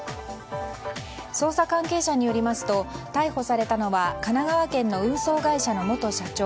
捜査関係者によりますと逮捕されたのは神奈川県の運送会社の元社長